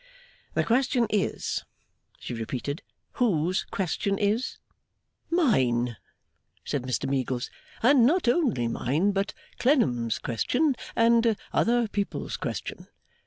'The question is?' she repeated. 'Whose question is?' 'Mine,' said Mr Meagles. 'And not only mine but Clennam's question, and other people's question.